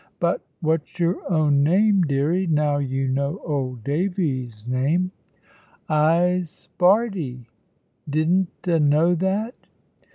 "But what's your own name, deary, now you know old Davy's name?" "I'se Bardie. Didn't 'a know that?"